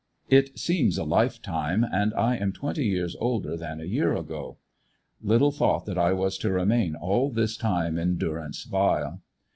It seems a lifetime, and I am twenty years older than a year ago. Little thought that I was to remain all this time in durance vile.